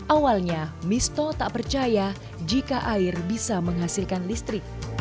awalnya misto tak percaya jika air bisa menghasilkan listrik